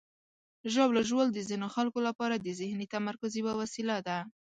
ژاوله ژوول د ځینو خلکو لپاره د ذهني تمرکز یوه وسیله ده.